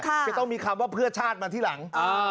จะต้องมีคำว่าเพื่อชาติมาที่หลัง